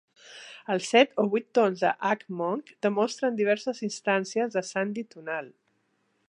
Els set o vuit tons de hmong demostren diverses instàncies de sandhi tonal.